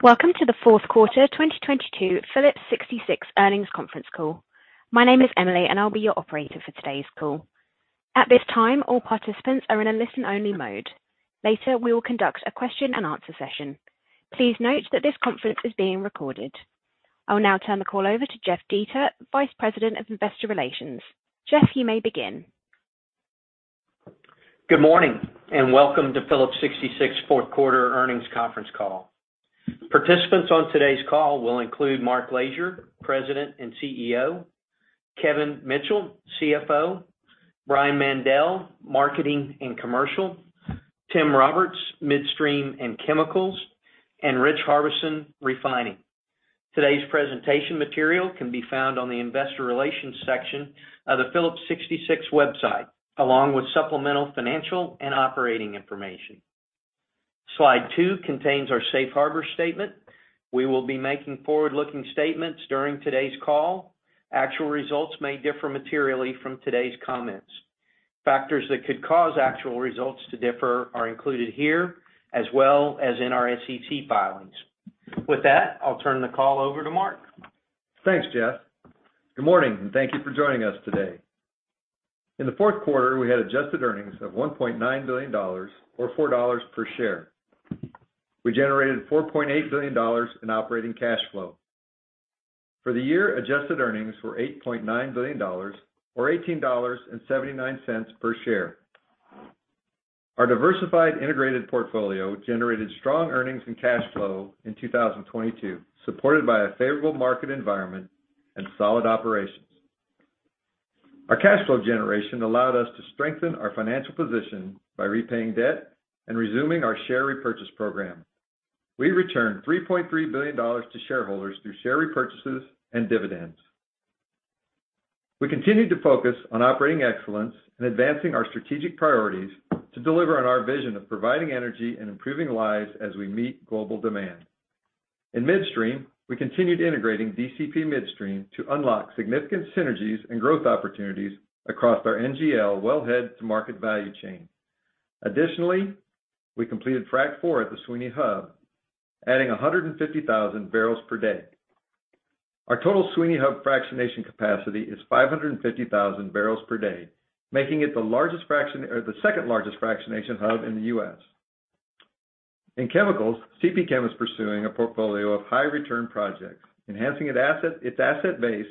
Welcome to the fourth quarter 2022 Phillips 66 Earnings Conference Call. My name is Emily. I'll be your operator for today's call. At this time, all participants are in a listen-only mode. Later, we will conduct a question and answer session. Please note that this conference is being recorded. I will now turn the call over to Jeff Dietert, Vice President of Investor Relations. Jeff, you may begin. Good morning, welcome to Phillips 66 Fourth Quarter Earnings Conference Call. Participants on today's call will include Mark Lashier, President and CEO, Kevin Mitchell, CFO, Brian Mandell, Marketing and Commercial, Tim Roberts, Midstream and Chemicals, and Rich Harbison, Refining. Today's presentation material can be found on the investor relations section of the Phillips 66 website, along with supplemental financial and operating information. Slide two contains our safe harbor statement. We will be making forward-looking statements during today's call. Actual results may differ materially from today's comments. Factors that could cause actual results to differ are included here, as well as in our SEC filings. With that, I'll turn the call over to Mark. Thanks, Jeff. Good morning, thank you for joining us today. In the fourth quarter, we had Adjusted Earnings of $1.9 billion or $4 per share. We generated $4.8 billion in operating cash flow. For the year, Adjusted Earnings were $8.9 billion or $18.79 per share. Our diversified integrated portfolio generated strong earnings and cash flow in 2022, supported by a favorable market environment and solid operations. Our cash flow generation allowed us to strengthen our financial position by repaying debt and resuming our share repurchase program. We returned $3.3 billion to shareholders through share repurchases and dividends. We continued to focus on operating excellence and advancing our strategic priorities to deliver on our vision of providing energy and improving lives as we meet global demand. In midstream, we continued integrating DCP Midstream to unlock significant synergies and growth opportunities across our NGL well head to market value chain. Additionally, we completed Frac IV at the Sweeny Hub, adding 150,000 barrels per day. Our total Sweeny Hub fractionation capacity is 550,000 barrels per day, making it the second-largest fractionation hub in the U.S. In chemicals, CPChem is pursuing a portfolio of high return projects, enhancing its asset base,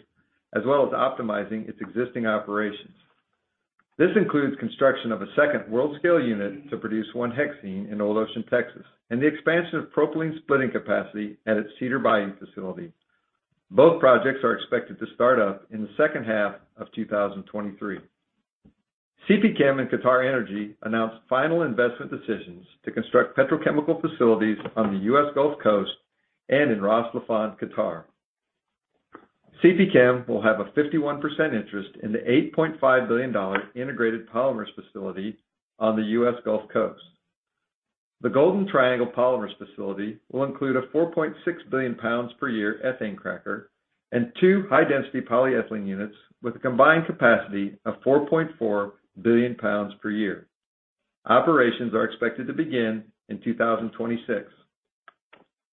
as well as optimizing its existing operations. This includes construction of a second world-scale unit to produce 1-hexene in Old Ocean, Texas, and the expansion of propylene splitting capacity at its Cedar Bayou facility. Both projects are expected to start up in the second half of 2023. CPChem and QatarEnergy announced final investment decisions to construct petrochemical facilities on the U.S. Gulf Coast and in Ras Laffan, Qatar. CPChem will have a 51% interest in the $8.5 billion integrated polymers facility on the U.S. Gulf Coast. The Golden Triangle Polymers facility will include a 4.6 billion pounds per year ethane cracker and two high-density polyethylene units with a combined capacity of 4.4 billion pounds per year. Operations are expected to begin in 2026.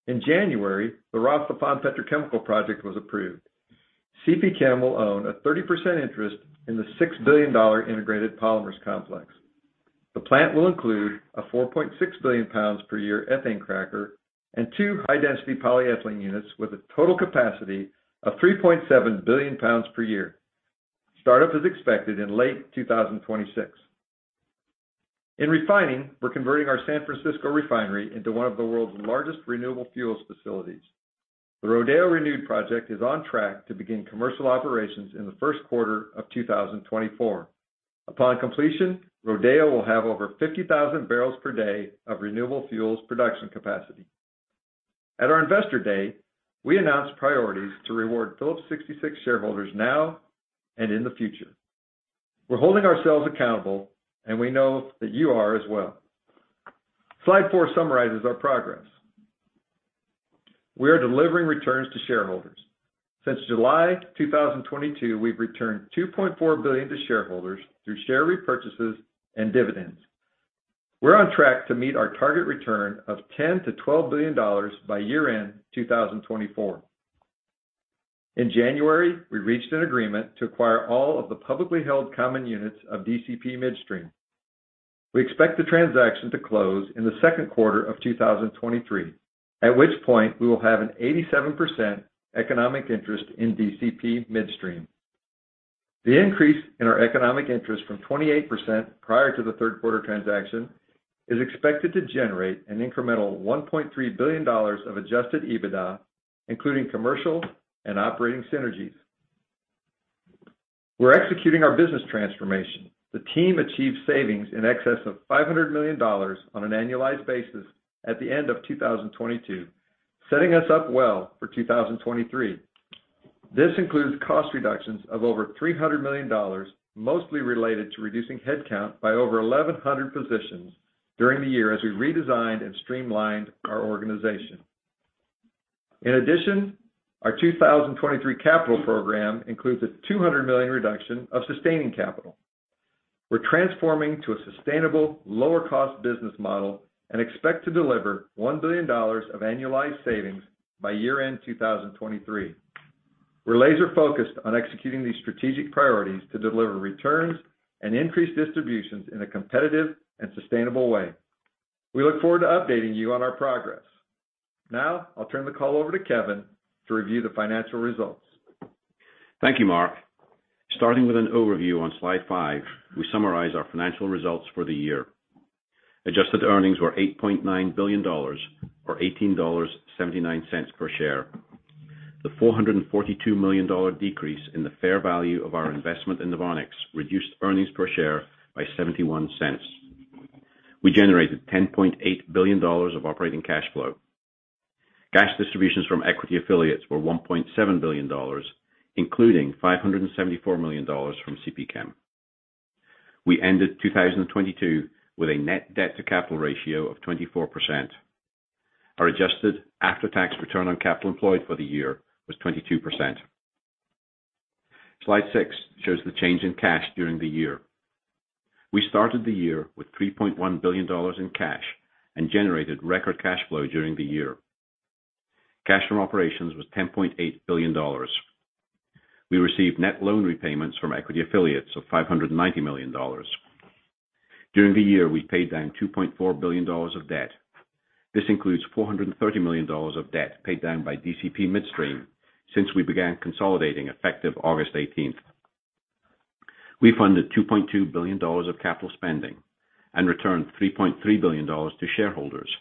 In January, the Ras Laffan Petrochemicals project was approved. CPChem will own a 30% interest in the $6 billion integrated polymers complex. The plant will include a 4.6 billion pounds per year ethane cracker and two high-density polyethylene units with a total capacity of 3.7 billion pounds per year. Startup is expected in late 2026. In refining, we're converting our San Francisco refinery into one of the world's largest renewable fuels facilities. The Rodeo Renewed Project is on track to begin commercial operations in the first quarter of 2024. Upon completion, Rodeo will have over 50,000 barrels per day of renewable fuels production capacity. At our Investor Day, we announced priorities to reward Phillips 66 shareholders now and in the future. We're holding ourselves accountable, and we know that you are as well. Slide four summarizes our progress. We are delivering returns to shareholders. Since July 2022, we've returned $2.4 billion to shareholders through share repurchases and dividends. We're on track to meet our target return of $10 billion-$12 billion by year-end 2024. In January, we reached an agreement to acquire all of the publicly held common units of DCP Midstream. We expect the transaction to close in the second quarter of 2023, at which point we will have an 87% economic interest in DCP Midstream. The increase in our economic interest from 28% prior to the third quarter transaction is expected to generate an incremental $1.3 billion of Adjusted EBITDA, including commercial and operating synergies. We're executing our business transformation. The team achieved savings in excess of $500 million on an annualized basis at the end of 2022, setting us up well for 2023. This includes cost reductions of over $300 million, mostly related to reducing headcount by over 1,100 positions during the year as we redesigned and streamlined our organization. In addition, our 2023 capital program includes a $200 million reduction of sustaining capital. We're transforming to a sustainable lower cost business model and expect to deliver $1 billion of annualized savings by year-end 2023. We're laser-focused on executing these strategic priorities to deliver returns and increased distributions in a competitive and sustainable way. We look forward to updating you on our progress. I'll turn the call over to Kevin to review the financial results. Thank you, Mark. Starting with an overview on slide five, we summarize our financial results for the year. Adjusted Earnings were $8.9 billion, or $18.79 per share. The $442 million decrease in the fair value of our investment in NOVONIX reduced earnings per share by $0.71. We generated $10.8 billion of operating cash flow. Cash distributions from equity affiliates were $1.7 billion, including $574 million from CPChem. We ended 2022 with a net debt to capital ratio of 24%. Our Adjusted After-Tax Return on capital employed for the year was 22%. Slide six shows the change in cash during the year. We started the year with $3.1 billion in cash and generated record cash flow during the year. Cash from operations was $10.8 billion. We received net loan repayments from equity affiliates of $590 million. During the year, we paid down $2.4 billion of debt. This includes $430 million of debt paid down by DCP Midstream since we began consolidating effective August 18th. We funded $2.2 billion of capital spending and returned $3.3 billion to shareholders,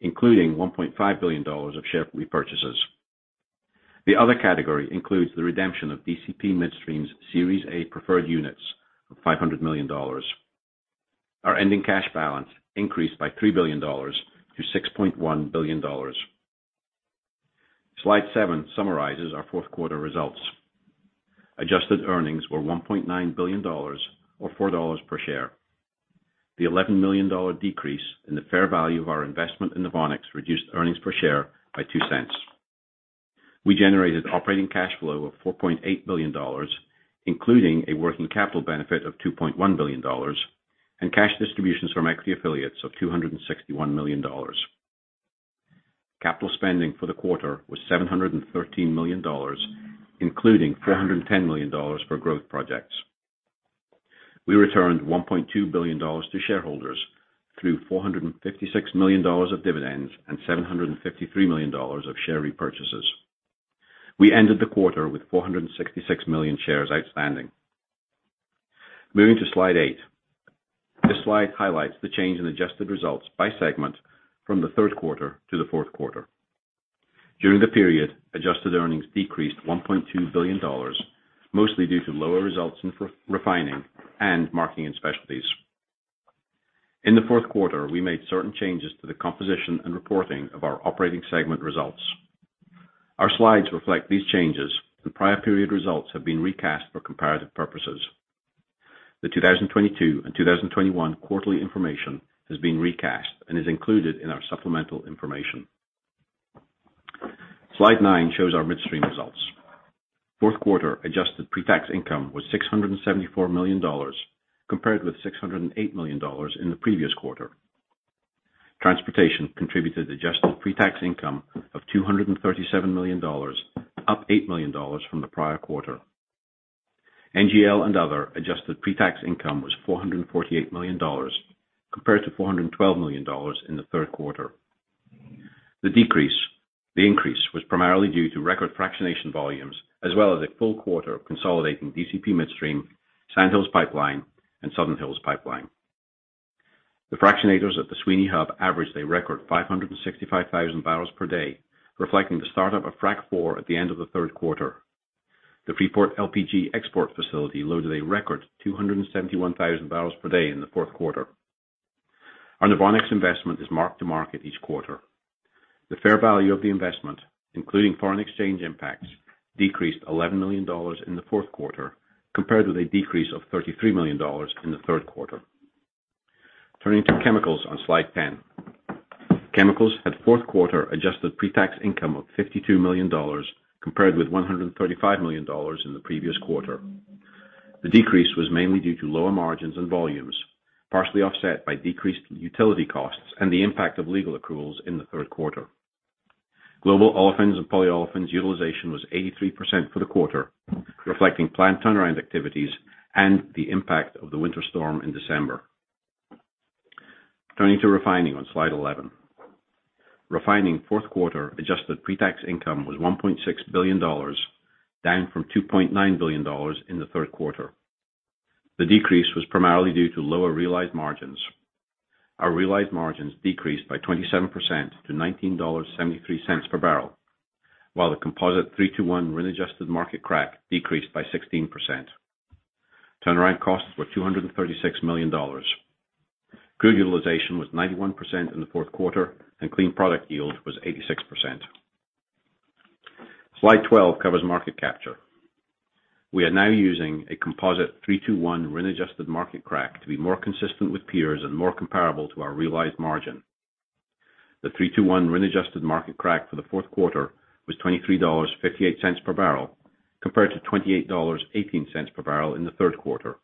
including $1.5 billion of share repurchases. The other category includes the redemption of DCP Midstream's Series A preferred units of $500 million. Our ending cash balance increased by $3 billion to $6.1 billion. Slide seven summarizes our fourth quarter results. Adjusted Earnings were $1.9 billion or $4 per share. The $11 million decrease in the fair value of our investment in NOVONIX reduced earnings per share by $0.02. We generated operating cash flow of $4.8 billion, including a working capital benefit of $2.1 billion, and cash distributions from equity affiliates of $261 million. Capital spending for the quarter was $713 million, including $410 million for growth projects. We returned $1.2 billion to shareholders through $456 million of dividends and $753 million of share repurchases. We ended the quarter with 466 million shares outstanding. Moving to slide eight. This slide highlights the change in Adjusted Results by segment from the third quarter to the fourth quarter. During the period, Adjusted Earnings decreased $1.2 billion, mostly due to lower results in refining and Marketing and Specialties. In the fourth quarter, we made certain changes to the composition and reporting of our operating segment results. Our slides reflect these changes, and prior period results have been recast for comparative purposes. The 2022 and 2021 quarterly information has been recast and is included in our supplemental information. Slide nine shows our midstream results. Fourth quarter Adjusted Pre-Tax Income was $674 million, compared with $608 million in the previous quarter. Transportation contributed Adjusted Pre-Tax Income of $237 million, up $8 million from the prior quarter. NGL and other Adjusted Pre-Tax Income was $448 million compared to $412 million in the third quarter. The increase was primarily due to record fractionation volumes as well as a full quarter of consolidating DCP Midstream, Sandhills Pipeline, and Southern Hills Pipeline. The fractionators at the Sweeny Hub averaged a record 565,000 barrels per day, reflecting the start of a Frac IV at the end of the third quarter. The Freeport LPG export facility loaded a record 271,000 barrels per day in the fourth quarter. Our NOVONIX investment is mark-to-market each quarter. The fair value of the investment, including foreign exchange impacts, decreased $11 million in the fourth quarter compared with a decrease of $33 million in the third quarter. Turning to chemicals on slide 10. Chemicals had fourth quarter Adjusted Pre-Tax Income of $52 million compared with $135 million in the previous quarter. The decrease was mainly due to lower margins and volumes, partially offset by decreased utility costs and the impact of legal accruals in the third quarter. Global olefins and polyolefins utilization was 83% for the quarter, reflecting plant turnaround activities and the impact of the winter storm in December. Turning to refining on slide 11. Refining fourth quarter Adjusted Pre-Tax Income was $1.6 billion, down from $2.9 billion in the third quarter. The decrease was primarily due to lower realized margins. Our realized margins decreased by 27% to $19.73 per barrel, while the composite 3-2-1 Adjusted Market Crack decreased by 16%. Turnaround costs were $236 million. Crew utilization was 91% in the fourth quarter, and clean product yield was 86%. Slide 12 covers market capture. We are now using a composite 3-2-1 rent-Adjusted Market Crack to be more consistent with peers and more comparable to our realized margin. The 3-2-1 rent-Adjusted Market Crack for the fourth quarter was $23.58 per barrel compared to $28.18 per barrel in the third quarter.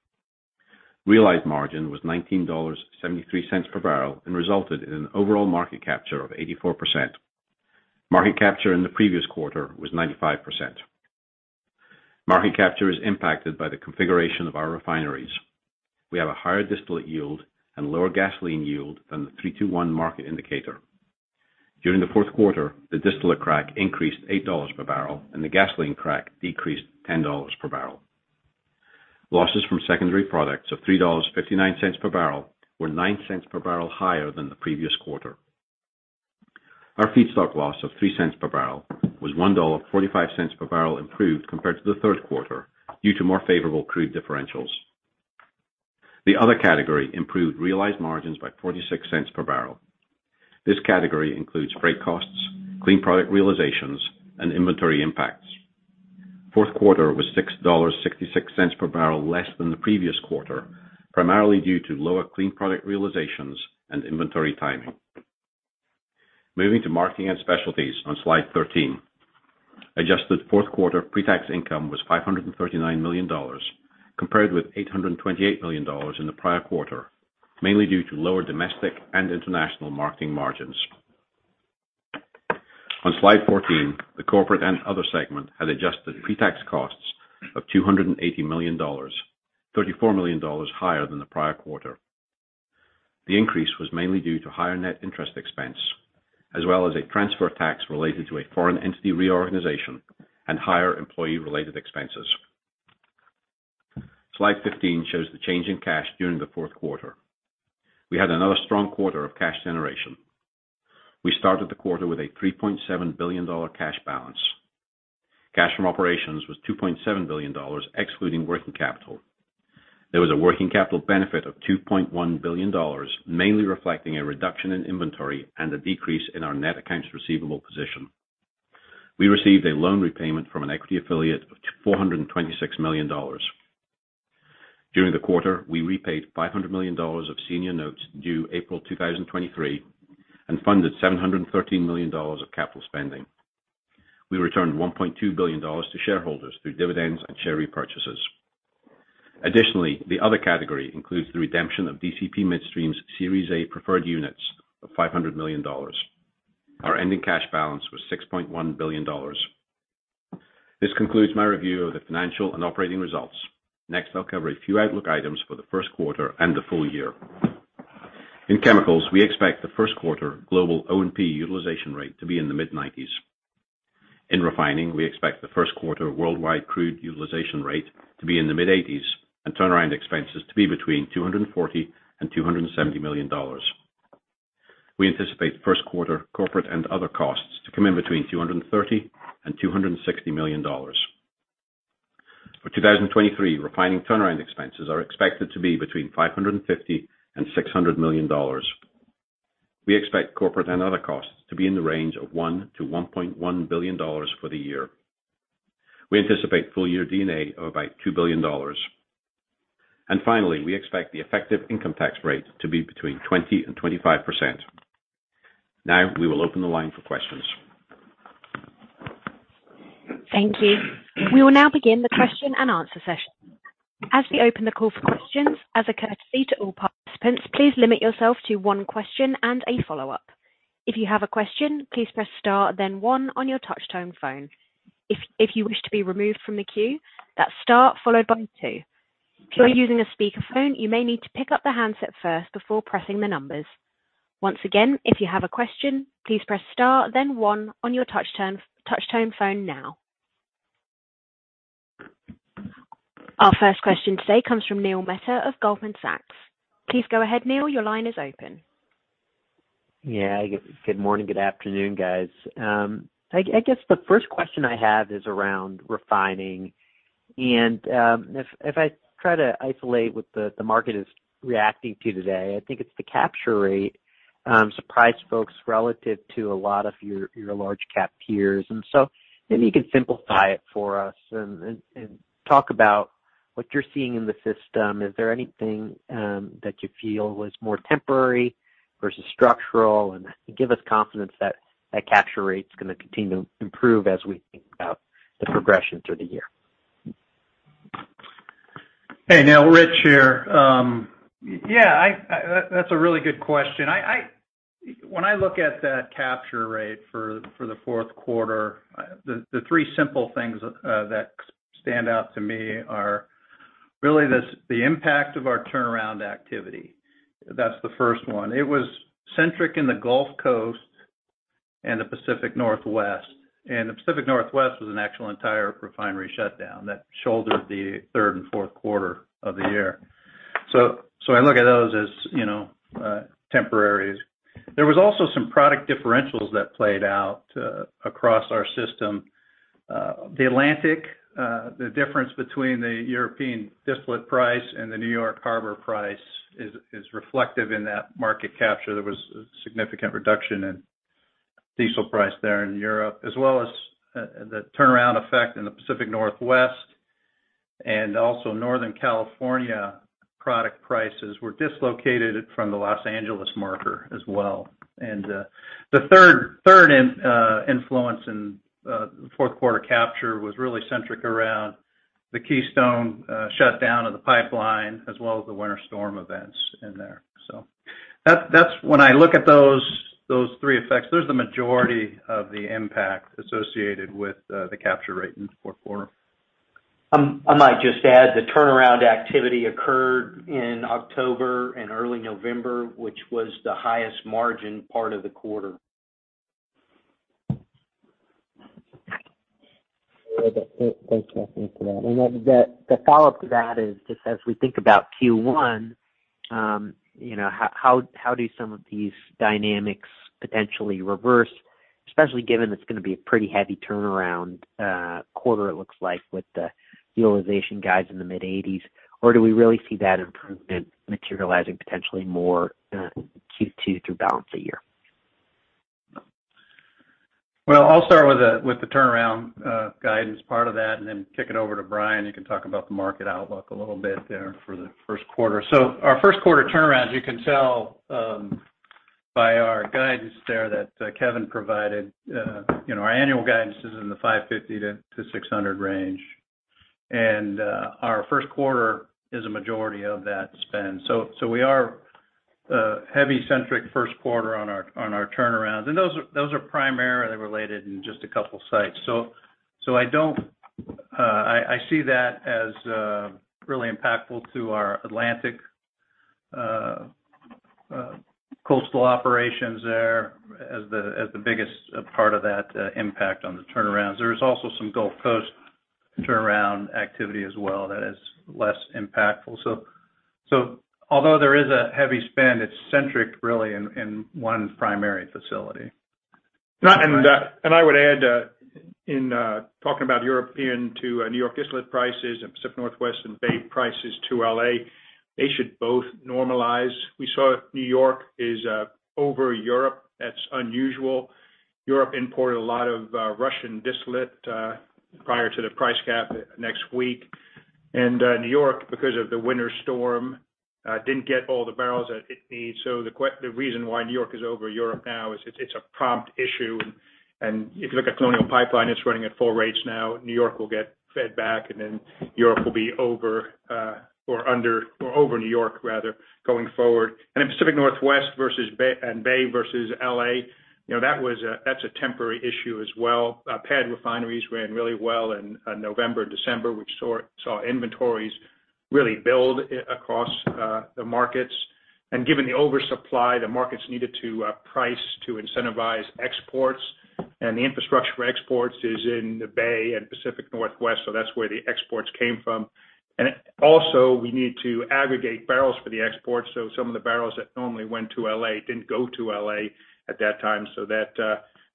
Realized margin was $19.73 per barrel and resulted in an overall market capture of 84%. Market capture in the previous quarter was 95%. Market capture is impacted by the configuration of our refineries. We have a higher distillate yield and lower gasoline yield than the 3-2-1 market indicator. During the fourth quarter, the distillate crack increased $8 per barrel, and the gasoline crack decreased $10 per barrel. Losses from secondary products of $3.59 per barrel were $0.09 per barrel higher than the previous quarter. Our feedstock loss of $0.03 per barrel was $1.45 per barrel improved compared to the third quarter due to more favorable crude differentials. The other category improved realized margins by $0.46 per barrel. This category includes freight costs, clean product realizations, and inventory impacts. Fourth quarter was $6.66 per barrel less than the previous quarter, primarily due to lower clean product realizations and inventory timing. Moving to marketing and specialties on slide 13. Adjusted fourth quarter pre-tax income was $539 million, compared with $828 million in the prior quarter, mainly due to lower domestic and international marketing margins. On slide 14, the corporate and other segment had adjusted Pre-Tax costs of $280 million, $34 million higher than the prior quarter. The increase was mainly due to higher net interest expense, as well as a transfer tax related to a foreign entity reorganization and higher employee-related expenses. Slide 15 shows the change in cash during the fourth quarter. We had another strong quarter of cash generation. We started the quarter with a $3.7 billion cash balance. Cash from operations was $2.7 billion, excluding working capital. There was a working capital benefit of $2.1 billion, mainly reflecting a reduction in inventory and a decrease in our net accounts receivable position. We received a loan repayment from an equity affiliate of $426 million. During the quarter, we repaid $500 million of senior notes due April 2023 and funded $713 million of capital spending. We returned $1.2 billion to shareholders through dividends and share repurchases. Additionally, the other category includes the redemption of DCP Midstream's Series A preferred units of $500 million. Our ending cash balance was $6.1 billion. This concludes my review of the financial and operating results. I'll cover a few outlook items for the first quarter and the full year. In chemicals, we expect the first quarter global O&P utilization rate to be in the mid-nineties. In refining, we expect the first quarter worldwide crude utilization rate to be in the mid-eighties and turnaround expenses to be between $240 million and $270 million. We anticipate first quarter corporate and other costs to come in between $230 million and $260 million. For 2023, refining turnaround expenses are expected to be between $550 million and $600 million. We expect corporate and other costs to be in the range of $1 billion-$1.1 billion for the year. We anticipate full-year DD&A of about $2 billion. Finally, we expect the effective income tax rate to be between 20% and 25%. We will open the line for questions. Thank you. We will now begin the question and answer session. As we open the call for questions, as a courtesy to all participants, please limit yourself to one question and a follow-up. If you have a question, please press star then one on your touch tone phone. If you wish to be removed from the queue, that's star followed by two. If you are using a speakerphone, you may need to pick up the handset first before pressing the numbers. Once again, if you have a question, please press star then one on your touch tone phone now. Our first question today comes from Neil Mehta of Goldman Sachs. Please go ahead, Neil. Your line is open. Yeah. Good morning. Good afternoon, guys. I guess the first question I have is around refining. If I try to isolate what the market is reacting to today, I think it's the capture rate, surprise folks relative to a lot of your large cap peers. Maybe you can simplify it for us and talk about what you're seeing in the system. Is there anything that you feel was more temporary versus structural? Give us confidence that that capture rate is gonna continue to improve as we think about the progression through the year. Hey, Neil, Rich here. Yeah, I that's a really good question. I When I look at that capture rate for the fourth quarter, the three simple things that stand out to me are really this, the impact of our turnaround activity. That's the first one. It was centric in the Gulf Coast and the Pacific Northwest. The Pacific Northwest was an actual entire refinery shutdown that shouldered the third and fourth quarter of the year. I look at those as, you know, temporaries. There was also some product differentials that played out across our system. The Atlantic, the difference between the European distillate price and the New York Harbor price is reflective in that market capture. There was a significant reduction in Diesel price there in Europe, as well as the turnaround effect in the Pacific Northwest and also Northern California product prices were dislocated from the Los Angeles marker as well. The third influence in fourth quarter capture was really centric around the Keystone shutdown of the pipeline as well as the winter storm events in there. That's when I look at those three effects, there's the majority of the impact associated with the capture rate in the fourth quarter. I might just add, the turnaround activity occurred in October and early November, which was the highest margin part of the quarter. Okay. Thanks, Kevin, for that. The follow-up to that is just as we think about Q1, you know, how do some of these dynamics potentially reverse? Especially given it's gonna be a pretty heavy turnaround, quarter it looks like with the utilization guides in the mid-eighties. Do we really see that improvement materializing potentially more, Q2 through balance of the year? I'll start with the, with the turnaround guidance part of that, and then kick it over to Brian. He can talk about the market outlook a little bit there for the first quarter. Our first quarter turnaround, as you can tell, by our guidance there that Kevin provided, you know, our annual guidance is in the 550-600 range. Our first quarter is a majority of that spend. We are heavy centric first quarter on our turnarounds. Those are primarily related in just a couple sites. I see that as really impactful to our Atlantic coastal operations there as the biggest part of that impact on the turnarounds. There is also some Gulf Coast turnaround activity as well that is less impactful. Although there is a heavy spend, it's centric really in one primary facility. No, I would add, in talking about European to New York distillate prices and Pacific Northwest and Bay prices to L.A., they should both normalize. We saw New York is over Europe. That's unusual. Europe imported a lot of Russian distillate prior to the price cap next week. New York, because of the winter storm, didn't get all the barrels that it needs. The reason why New York is over Europe now is it's a prompt issue. If you look at Colonial Pipeline, it's running at full rates now. New York will get fed back, and then Europe will be over or under or over New York rather, going forward. In Pacific Northwest versus Bay versus L.A., you know, that's a temporary issue as well. Our PADD refineries ran really well in November, December. We saw inventories really build across the markets. Given the oversupply, the markets needed to price to incentivize exports. The infrastructure for exports is in the Bay and Pacific Northwest, that's where the exports came from. Also, we need to aggregate barrels for the exports. Some of the barrels that normally went to L.A. didn't go to L.A. at that time.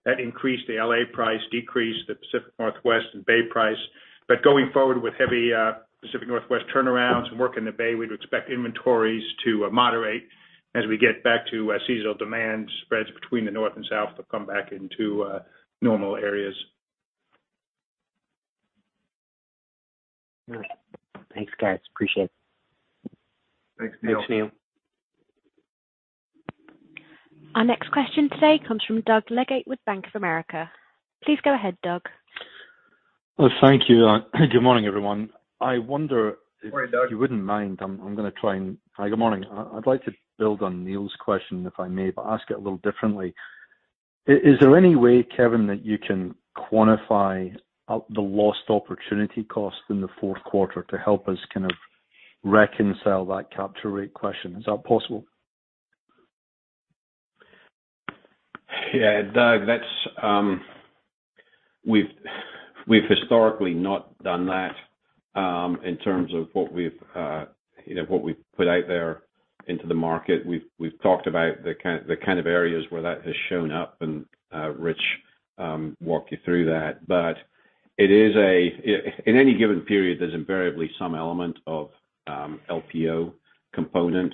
That increased the L.A. price, decreased the Pacific Northwest and Bay price. Going forward with heavy Pacific Northwest turnarounds and work in the Bay, we'd expect inventories to moderate as we get back to seasonal demand spreads between the North and South to come back into normal areas. All right. Thanks, guys. Appreciate it. Thanks, Neil. Thanks, Neil. Our next question today comes from Doug Leggate with Bank of America. Please go ahead, Doug. Well, thank you. Good morning, everyone. Morning, Doug. You wouldn't mind. Hi, good morning. I'd like to build on Neil's question, if I may, but ask it a little differently. Is there any way, Kevin, that you can quantify the lost opportunity cost in the fourth quarter to help us kind of reconcile that capture rate question? Is that possible? Yeah, Doug, that's. We've historically not done that in terms of what we've, you know, what we've put out there into the market. We've talked about the kind of areas where that has shown up and Rich walked you through that. It is a. In any given period, there's invariably some element of LPO component.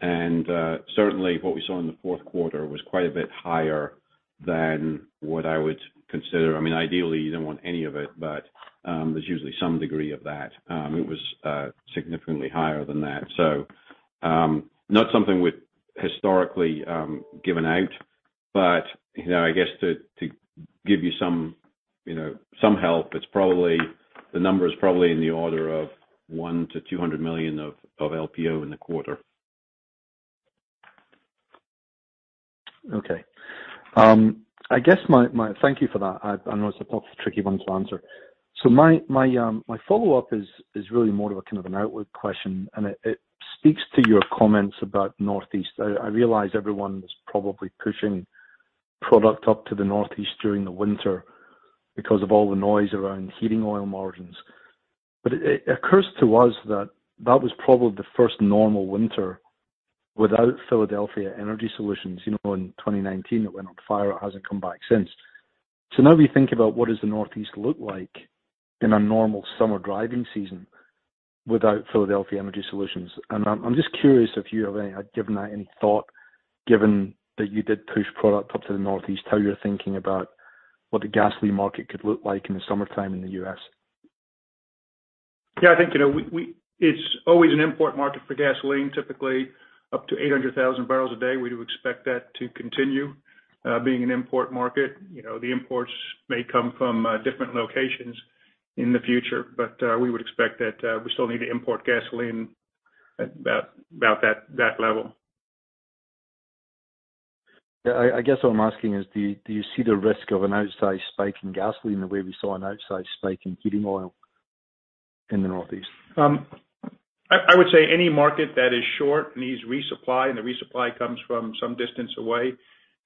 Certainly what we saw in the fourth quarter was quite a bit higher than what I would consider. I mean, ideally, you don't want any of it, but there's usually some degree of that. It was significantly higher than that. Not something we've historically given out. you know, I guess to give you some, you know, some help, the number is probably in the order of $100 million-$200 million of LPO in the quarter. Okay. I guess my... Thank you for that. I know it's a tricky one to answer. My follow-up is really more of a kind of an outlook question, and it speaks to your comments about Northeast. I realize everyone was probably pushing product up to the Northeast during the winter because of all the noise around heating oil margins. It occurs to us that that was probably the first normal winter without Philadelphia Energy Solutions. You know, in 2019, it went on fire. It hasn't come back since. Now we think about what does the Northeast look like in a normal summer driving season without Philadelphia Energy Solutions. I'm just curious if you have any thought, given that you did push product up to the Northeast, how you're thinking about what the gasoline market could look like in the summertime in the U.S. I think, you know, we, it's always an import market for gasoline, typically up to 800,000 barrels a day. We do expect that to continue, being an import market. You know, the imports may come from different locations in the future, but we would expect that we still need to import gasoline at about that level. I guess what I'm asking is do you see the risk of an outsized spike in gasoline the way we saw an outsized spike in heating oil in the Northeast? I would say any market that is short needs resupply, and the resupply comes from some distance away,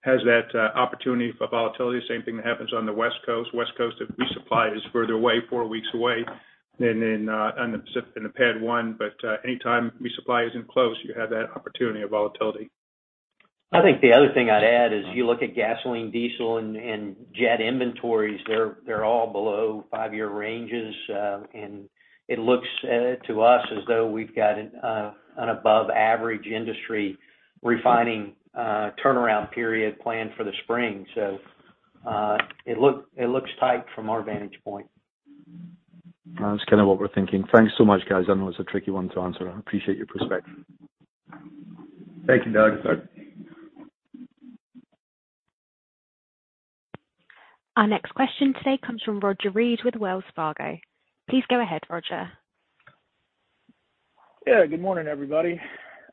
has that opportunity for volatility. Same thing happens on the West Coast. West Coast resupply is further away, four weeks away than in the PADD I. Anytime resupply isn't close, you have that opportunity of volatility. I think the other thing I'd add is you look at gasoline, diesel and jet inventories, they're all below 5-year ranges. It looks to us as though we've got an above average industry refining turnaround period planned for the spring. It looks tight from our vantage point. That's kind of what we're thinking. Thanks so much, guys. I know it's a tricky one to answer. I appreciate your perspective. Thank you, Doug. Thanks. Our next question today comes from Roger Read with Wells Fargo. Please go ahead, Roger. Good morning, everybody.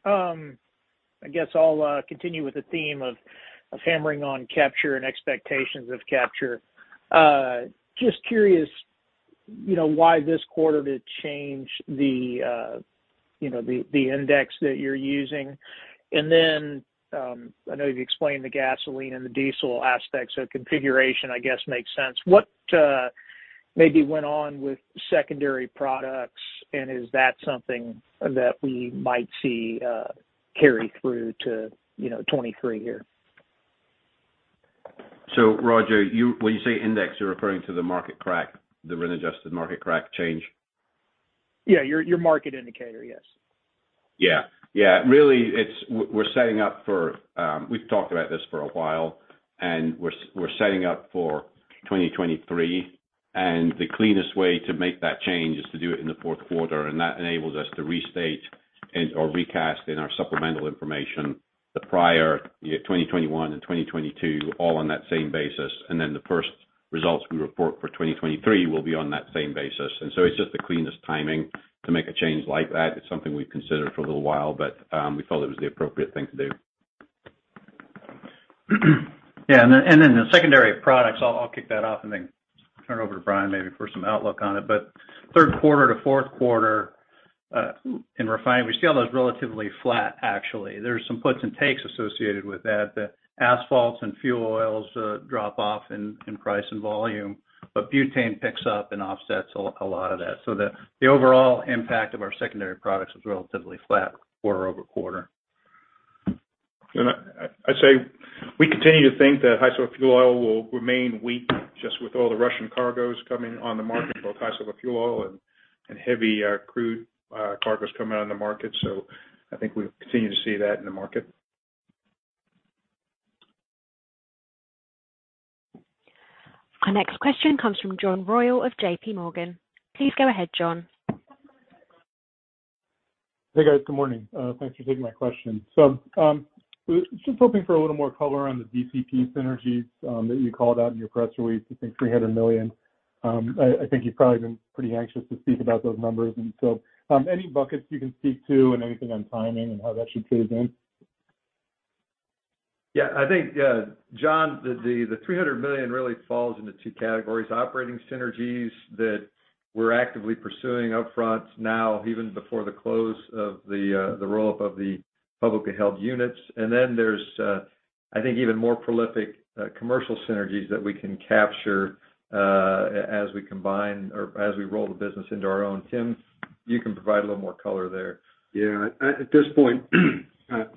I guess I'll continue with the theme of hammering on capture and expectations of capture. Just curious, you know, why this quarter to change the, you know, the index that you're using. I know you've explained the gasoline and the diesel aspects of configuration, I guess makes sense. What maybe went on with secondary products, and is that something that we might see carry through to, you know, 23 here? Roger, when you say index, you're referring to the market crack, the rent-Adjusted Market Crack change? Yeah. Your market indicator. Yes. Yeah. Yeah. Really We're setting up for, we've talked about this for a while, and we're setting up for 2023. The cleanest way to make that change is to do it in the fourth quarter. That enables us to restate and/or recast in our supplemental information the prior year, 2021 and 2022, all on that same basis. The first results we report for 2023 will be on that same basis. It's just the cleanest timing to make a change like that. It's something we've considered for a little while, but we felt it was the appropriate thing to do. Yeah. The secondary products, I'll kick that off and then turn it over to Brian maybe for some outlook on it. Third quarter to fourth quarter, in refinery, we see all those relatively flat actually. There's some puts and takes associated with that. The asphalts and fuel oils drop off in price and volume, butane picks up and offsets a lot of that. The overall impact of our secondary products was relatively flat quarter-over-quarter. I'd say we continue to think that high-sulfur fuel oil will remain weak just with all the Russian cargoes coming on the market, both high-sulfur fuel oil and heavy crude cargoes coming on the market. I think we'll continue to see that in the market. Our next question comes from John Royall of J.P. Morgan. Please go ahead, John. Hey, guys. Good morning. Thanks for taking my question. Just hoping for a little more color on the DCP synergies, that you called out in your press release. I think $300 million. I think you've probably been pretty anxious to speak about those numbers. Any buckets you can speak to and anything on timing and how that should play in? Yeah, I think, John, the $300 million really falls into two categories. Operating synergies that we're actively pursuing upfront now, even before the close of the roll-up of the publicly held units. There's, I think even more prolific commercial synergies that we can capture as we combine or as we roll the business into our own. Tim, you can provide a little more color there. At this point,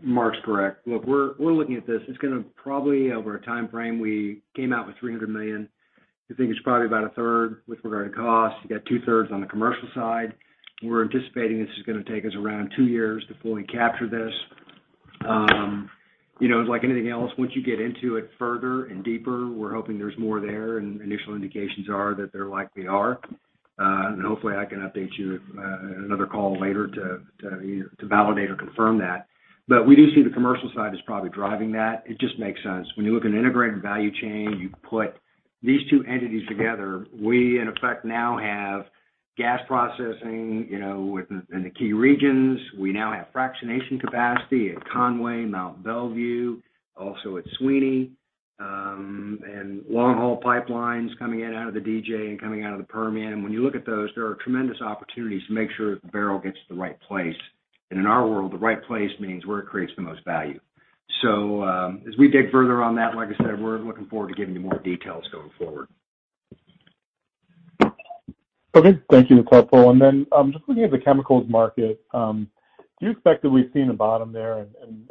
Mark's correct. We're looking at this. It's gonna probably over a timeframe, we came out with $300 million. I think it's probably about a third with regard to cost. You got two thirds on the commercial side. We're anticipating this is gonna take us around two years to fully capture this. You know, it's like anything else, once you get into it further and deeper, we're hoping there's more there and initial indications are that there likely are. Hopefully, I can update you at another call later to either validate or confirm that. We do see the commercial side is probably driving that. It just makes sense. When you look at an integrated value chain, you put these two entities together. We, in effect, now have gas processing, you know, in the key regions. We now have fractionation capacity at Conway, Mont Belvieu, also at Sweeny. Long-haul pipelines coming in out of the DJ and coming out of the Permian. When you look at those, there are tremendous opportunities to make sure the barrel gets to the right place. In our world, the right place means where it creates the most value. As we dig further on that, like I said, we're looking forward to giving you more details going forward. Okay. Thank you. That's helpful. Just looking at the chemicals market, do you expect that we've seen a bottom there?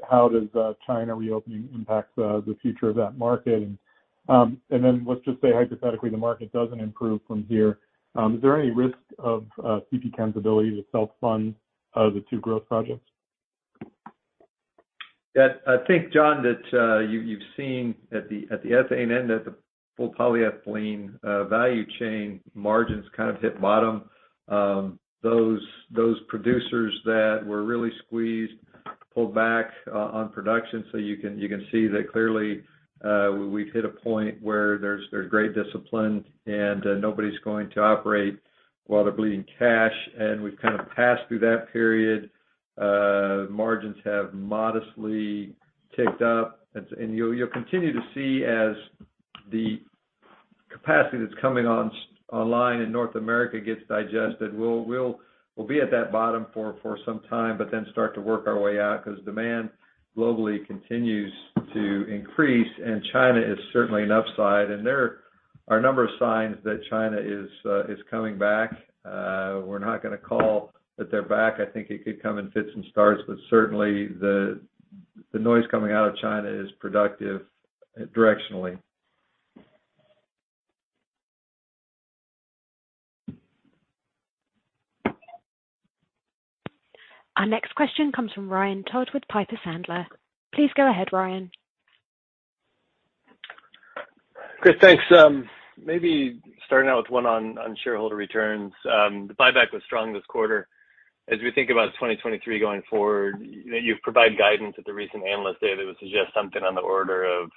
How does China reopening impact the future of that market? Let's just say hypothetically, the market doesn't improve from here. Is there any risk of CPChem's ability to self-fund the two growth projects? I think, John, that you've seen at the ethane end, at the full polyethylene value chain margins kind of hit bottom. Those producers that were really squeezed pulled back on production. You can see that clearly, we've hit a point where there's great discipline and nobody's going to operate while they're bleeding cash. We've kind of passed through that period. Margins have modestly ticked up. You'll continue to see as the capacity that's coming online in North America gets digested. We'll be at that bottom for some time, but then start to work our way out because demand globally continues to increase, and China is certainly an upside. There are a number of signs that China is coming back. We're not gonna call that they're back. I think it could come in fits and starts, but certainly the noise coming out of China is productive directionally. Our next question comes from Ryan Todd with Piper Sandler. Please go ahead, Ryan. Hi, thanks. Maybe starting out with one on shareholder returns. The buyback was strong this quarter. As we think about 2023 going forward, you know, you've provided guidance at the recent Investor Day that would suggest something on the order of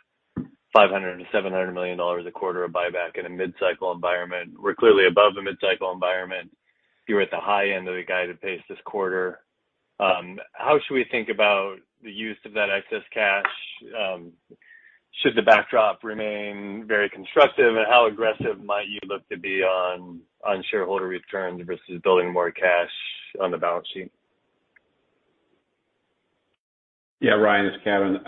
$500 million-$700 million a quarter of buyback in a mid-cycle environment. We're clearly above the mid-cycle environment. You were at the high end of the guided pace this quarter. How should we think about the use of that excess cash? Should the backdrop remain very constructive, and how aggressive might you look to be on shareholder returns versus building more cash on the balance sheet? Yeah, Ryan, it's Kevin.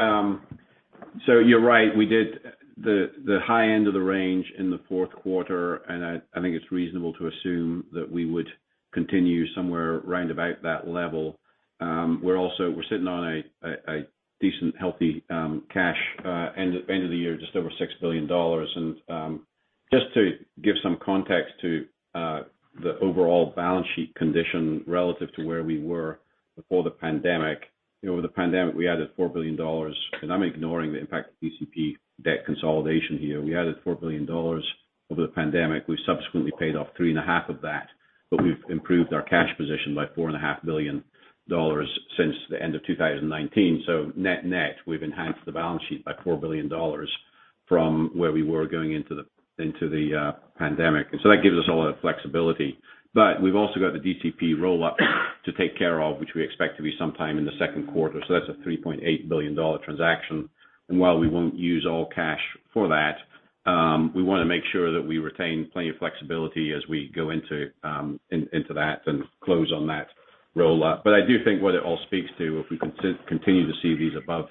You're right. We did the high end of the range in the fourth quarter, and I think it's reasonable to assume that we would continue somewhere round about that level. We're sitting on a decent, healthy cash end of the year, just over $6 billion. Just to give some context to the overall balance sheet condition relative to where we were before the pandemic. You know, with the pandemic, we added $4 billion, and I'm ignoring the impact of DCP debt consolidation here. We added $4 billion over the pandemic. We subsequently paid off three and a half of that, we've improved our cash position by four and a half billion dollars since the end of 2019. Net-net, we've enhanced the balance sheet by $4 billion from where we were going into the pandemic. That gives us a lot of flexibility. We've also got the DCP roll-up to take care of, which we expect to be sometime in the second quarter. That's a $3.8 billion transaction. While we won't use all cash for that, we want to make sure that we retain plenty of flexibility as we go into that and close on that roll-up. I do think what it all speaks to, if we continue to see these above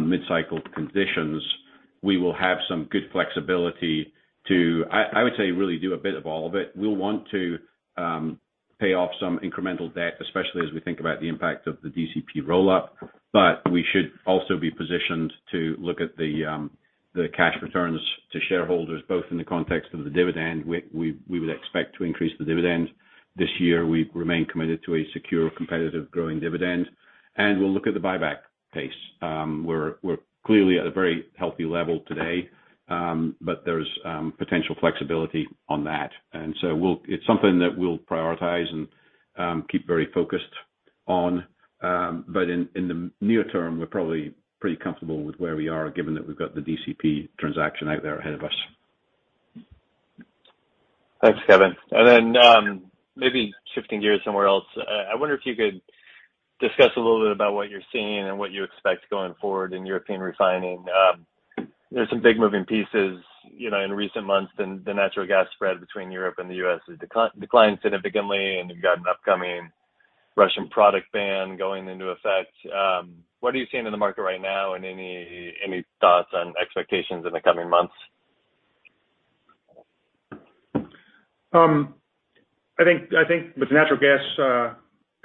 mid-cycle conditions, we will have some good flexibility to, I would say, really do a bit of all of it. We'll want to pay off some incremental debt, especially as we think about the impact of the DCP roll-up, we should also be positioned to look at the cash returns to shareholders, both in the context of the dividend. We would expect to increase the dividend this year. We remain committed to a secure, competitive, growing dividend, we'll look at the buyback pace. We're clearly at a very healthy level today, there's potential flexibility on that. It's something that we'll prioritize and keep very focused on. In the near term, we're probably pretty comfortable with where we are given that we've got the DCP transaction out there ahead of us. Thanks, Kevin. maybe shifting gears somewhere else. I wonder if you could discuss a little bit about what you're seeing and what you expect going forward in European refining. there's some big moving pieces, you know, in recent months, and the natural gas spread between Europe and the U.S. has declined significantly, and you've got an upcoming Russian product ban going into effect. What are you seeing in the market right now? Any thoughts on expectations in the coming months? I think with natural gas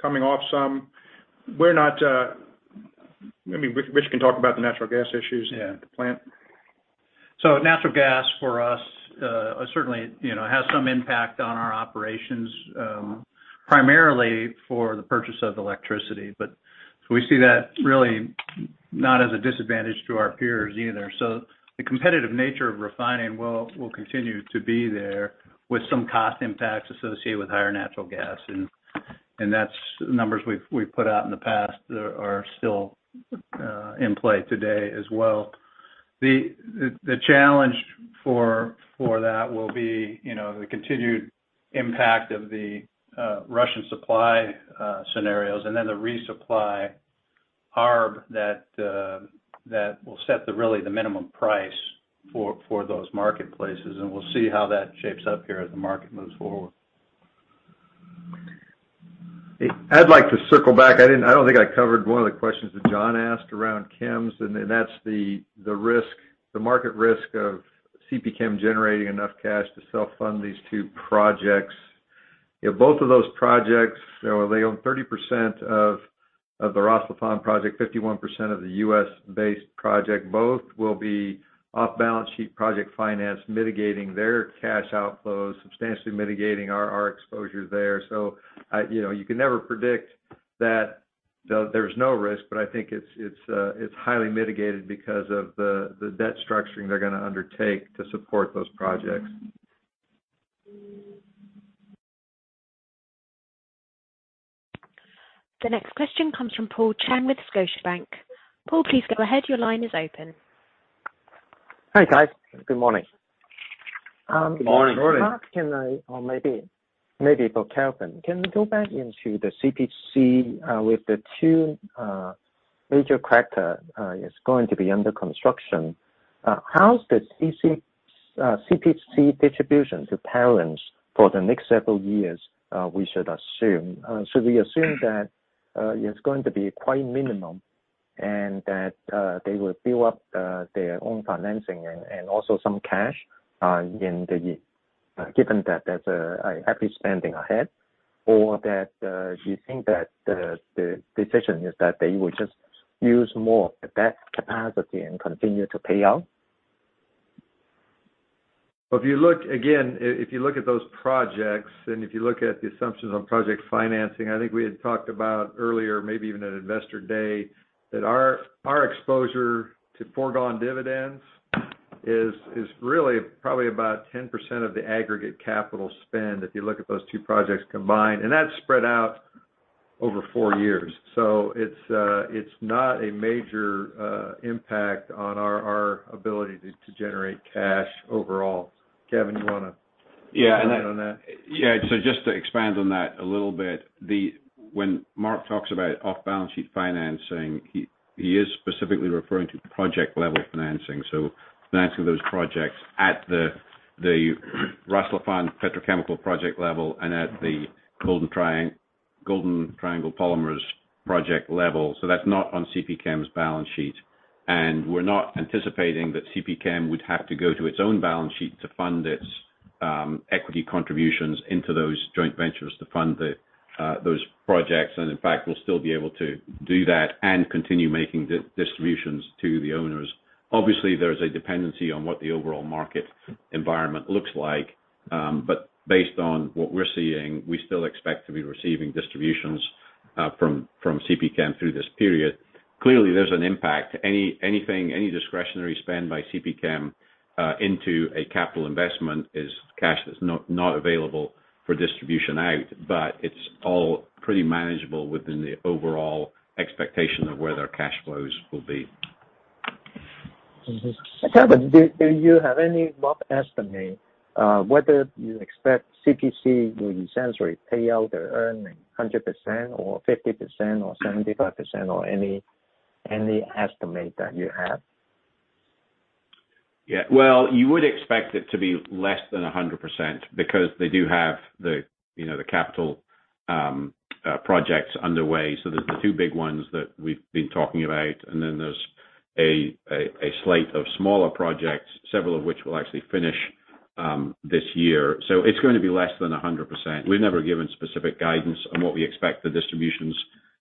coming off some, we're not. I mean, Rich can talk about the natural gas issues. Yeah. at the plant. Natural gas for us, certainly, you know, has some impact on our operations, primarily for the purchase of electricity. We see that really not as a disadvantage to our peers either. The competitive nature of refining will continue to be there with some cost impacts associated with higher natural gas. That's numbers we've put out in the past are still in play today as well. The challenge for that will be, you know, the continued impact of the Russian supply scenarios and then the resupply arb that will set the really the minimum price for those marketplaces. We'll see how that shapes up here as the market moves forward. I'd like to circle back. I don't think I covered one of the questions that John asked around chems, and that's the risk, the market risk of CPChem generating enough cash to self-fund these two projects. You know, both of those projects, they own 30% of the Ras Laffan project, 51% of the U.S.-based project. Both will be off-balance sheet project finance, mitigating their cash outflows, substantially mitigating our exposure there. You know, you can never predict that there's no risk, but I think it's highly mitigated because of the debt structuring they're gonna undertake to support those projects. The next question comes from Paul Cheng with Scotiabank. Paul, please go ahead. Your line is open. Hi, guys. Good morning. Good morning. Mark, or maybe for Kevin. Can you go back into the CPChem, with the two major cracker, is going to be under construction. How's the CPChem distribution to parents for the next several years, we should assume? Should we assume that it's going to be quite minimum and that they will build up their own financing and also some cash in the year, given that there's a heavy spending ahead? Or that you think that the decision is that they will just use more of the debt capacity and continue to pay out? Again, if you look at those projects and if you look at the assumptions on project financing, I think we had talked about earlier, maybe even at Investor Day, that our exposure to foregone dividends is really probably about 10% of the aggregate capital spend if you look at those two projects combined, and that's spread out over four years. It's not a major impact on our ability to generate cash overall. Kevin, Yeah. expand on that? Yeah. Just to expand on that a little bit. When Mark talks about off-balance sheet financing, he is specifically referring to project-level financing. Financing those projects at the Ras Laffan Petrochemicals project level and at the Golden Triangle Polymers project level. That's not on CPChem's balance sheet. We're not anticipating that CPChem would have to go to its own balance sheet to fund its equity contributions into those joint ventures to fund those projects. In fact, we'll still be able to do that and continue making distributions to the owners. Obviously, there's a dependency on what the overall market environment looks like. Based on what we're seeing, we still expect to be receiving distributions from CPChem through this period. Clearly, there's an impact. Anything, any discretionary spend by CPChem, into a capital investment is cash that's not available for distribution out, but it's all pretty manageable within the overall expectation of where their cash flows will be. Kevin, do you have any rough estimate whether you expect CPChem will essentially pay out their earnings 100% or 50% or 75% or any estimate that you have? Well, you would expect it to be less than 100% because they do have the, you know, the capital projects underway. There's the two big ones that we've been talking about, and then there's a slate of smaller projects, several of which will actually finish this year. It's gonna be less than 100%. We've never given specific guidance on what we expect the distributions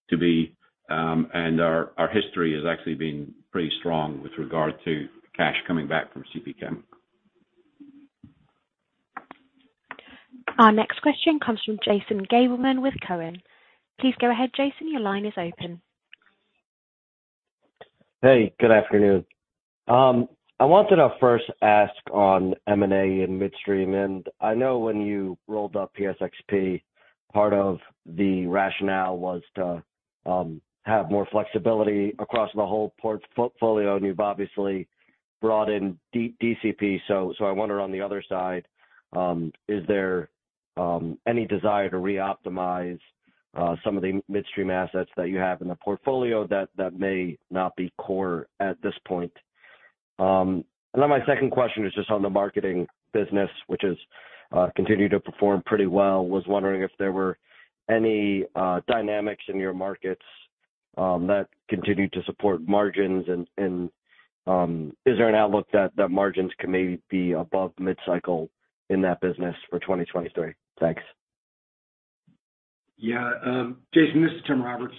to be. Our history has actually been pretty strong with regard to cash coming back from CPChem. Our next question comes from Jason Gabelman with Cowen. Please go ahead, Jason, your line is open. Hey, good afternoon. I wanted to first ask on M&A and midstream. I know when you rolled up PSXP, part of the rationale was to have more flexibility across the whole portfolio, and you've obviously brought in DCP. I wonder on the other side, is there any desire to reoptimize some of the midstream assets that you have in the portfolio that may not be core at this point? My second question is just on the marketing business, which has continued to perform pretty well. Was wondering if there were any dynamics in your markets that continue to support margins and is there an outlook that margins can maybe be above mid-cycle in that business for 2023? Thanks. Yeah. Jason, this is Tim Roberts.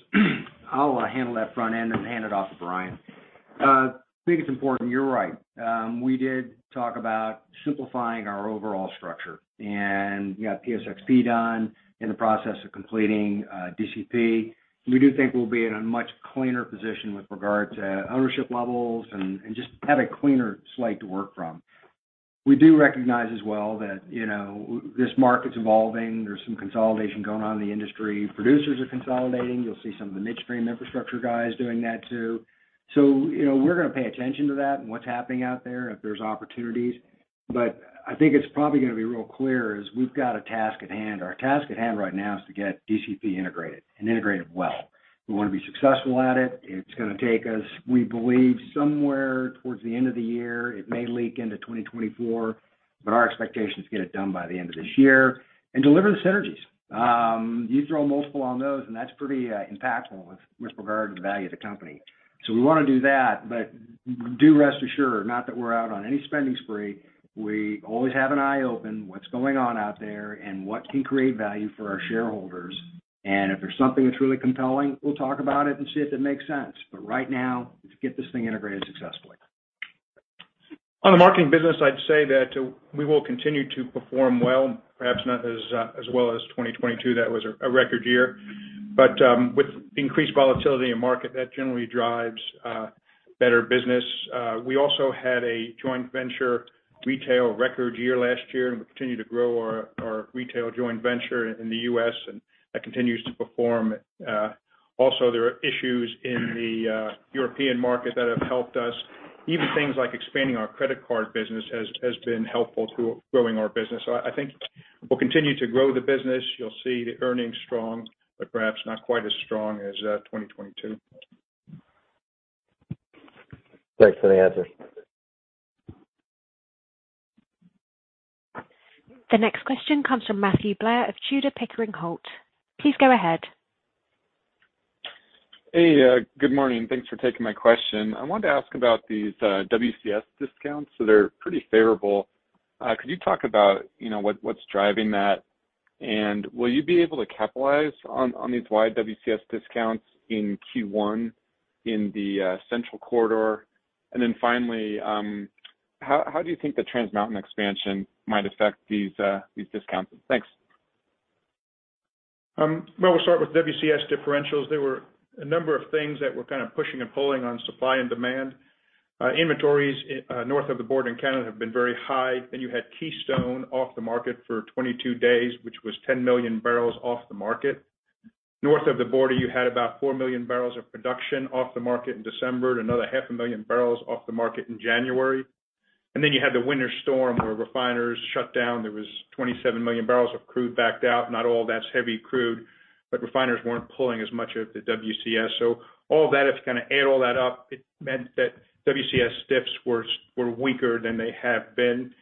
I'll handle that front end and hand it off to Brian. I think it's important. You're right. We did talk about simplifying our overall structure. Yeah, PSXP done, in the process of completing DCP. We do think we'll be in a much cleaner position with regard to ownership levels and just have a cleaner slate to work from. We do recognize as well that, you know, this market's evolving. There's some consolidation going on in the industry. Producers are consolidating. You'll see some of the midstream infrastructure guys doing that too. You know, we're gonna pay attention to that and what's happening out there if there's opportunities. I think it's probably gonna be real clear is we've got a task at hand. Our task at hand right now is to get DCP integrated and integrated well. We want to be successful at it. It's gonna take us, we believe, somewhere towards the end of the year. It may leak into 2024, but our expectation is to get it done by the end of this year and deliver the synergies. You throw multiple on those, and that's pretty impactful with regard to the value of the company. We wanna do that, but do rest assured, not that we're out on any spending spree, we always have an eye open what's going on out there and what can create value for our shareholders. If there's something that's really compelling, we'll talk about it and see if it makes sense. Right now, it's get this thing integrated successfully. On the marketing business, I'd say that we will continue to perform well, perhaps not as well as 2022. That was a record year. With increased volatility in market, that generally drives better business. We also had a joint venture retail record year last year, and we continue to grow our retail joint venture in the U.S., and that continues to perform. Also, there are issues in the European market that have helped us. Even things like expanding our credit card business has been helpful to growing our business. I think we'll continue to grow the business. You'll see the earnings strong, but perhaps not quite as strong as 2022. Thanks for the answer. The next question comes from Matthew Blair of Tudor, Pickering, Holt. Please go ahead. Hey, good morning. Thanks for taking my question. I wanted to ask about these WCS discounts, they're pretty favorable. Could you talk about, you know, what's driving that? Will you be able to capitalize on these wide WCS discounts in Q1 in the central corridor? Finally, how do you think the Trans Mountain expansion might affect these discounts? Thanks. Well, we'll start with WCS differentials. There were a number of things that were kind of pushing and pulling on supply and demand. Inventories, north of the board in Canada have been very high. You had Keystone off the market for 22 days, which was 10 million barrels off the market. North of the border, you had about 4 million barrels of production off the market in December, another half a million barrels off the market in January. You had the winter storm where refiners shut down. There was 27 million barrels of crude backed out. Not all that's heavy crude, but refiners weren't pulling as much of the WCS. All that, if you kinda add all that up, it meant that WCS diffs were weaker than they have been.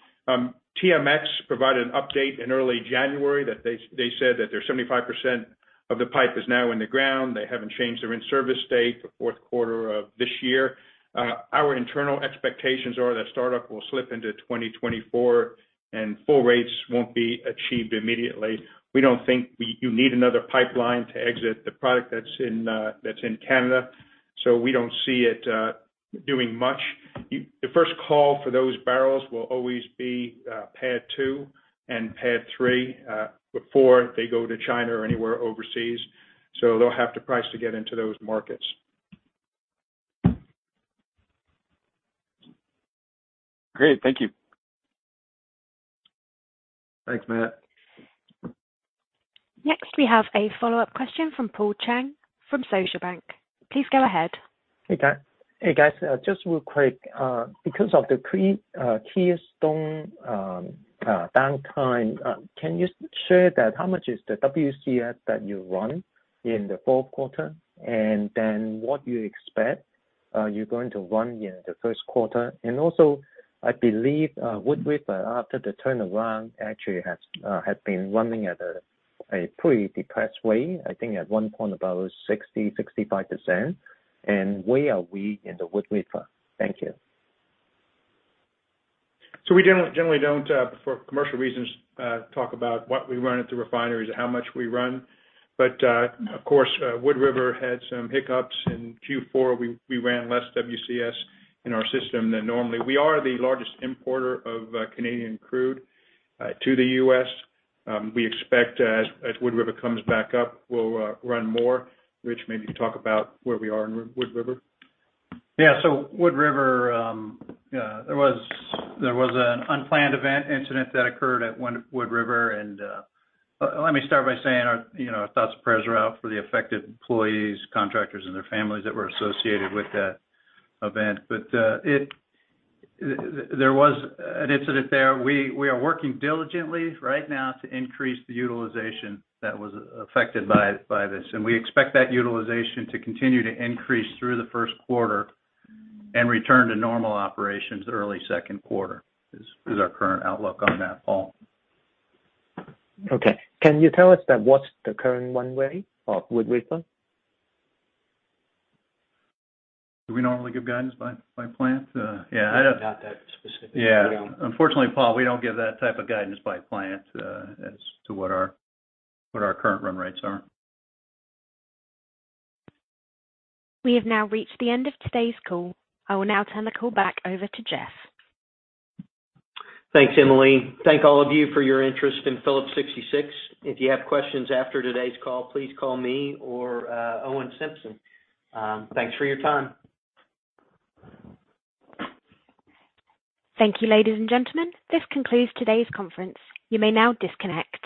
TMX provided an update in early January that they said that their 75% of the pipe is now in the ground. They haven't changed their in-service date for fourth quarter of this year. Our internal expectations are that startup will slip into 2024, and full rates won't be achieved immediately. We don't think you need another pipeline to exit the product that's in Canada, so we don't see it doing much. The first call for those barrels will always be PADD II and PADD III before they go to China or anywhere overseas, so they'll have to price to get into those markets. Great. Thank you. Thanks, Matt. Next, we have a follow-up question from Paul Cheng from Scotiabank. Please go ahead. Hey, guys. Just real quick. Because of the Keystone downtime, can you share that how much is the WCS that you run in the fourth quarter, what you expect, you're going to run in the first quarter? Also, I believe, Wood River, after the turnaround, actually has been running at a pretty depressed way. I think at one point, about 60%-65%. Where are we in the Wood River? Thank you. We generally don't for commercial reasons talk about what we run at the refineries or how much we run. Of course, Wood River had some hiccups. In Q4, we ran less WCS in our system than normally. We are the largest importer of Canadian crude to the U.S. We expect as Wood River comes back up, we'll run more. Rich, maybe talk about where we are in Wood River. Wood River, there was an unplanned event incident that occurred at Wood River. Let me start by saying our, you know, our thoughts and prayers are out for the affected employees, contractors, and their families that were associated with that event. There was an incident there. We are working diligently right now to increase the utilization that was affected by this, and we expect that utilization to continue to increase through the first quarter and return to normal operations early second quarter, is our current outlook on that, Paul. Okay. Can you tell us that what's the current run rate of Wood River? Do we normally give guidance by plant? Yeah. Not that specific. We don't. Yeah. Unfortunately, Paul, we don't give that type of guidance by plant, as to what our current run rates are. We have now reached the end of today's call. I will now turn the call back over to Jeff. Thanks, Emily. Thank all of you for your interest in Phillips 66. If you have questions after today's call, please call me or Owen Simpson. Thanks for your time. Thank you, ladies and gentlemen. This concludes today's conference. You may now disconnect.